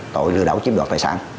tội lừa đảo chiếm đoạt tài sản